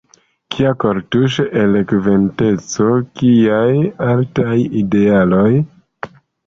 Kia kortuŝa elokventeco; kiaj altaj idealoj!